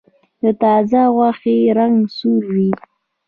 د تازه غوښې رنګ سور وي.